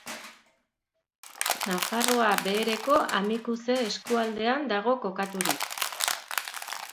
Nafarroa Behereko Amikuze eskualdean dago kokaturik.